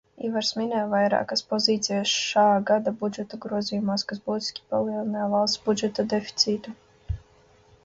Ivars minēja vairākas pozīcijas šāgada budžeta grozījumos, kas būtiski palielina valsts budžeta deficītu.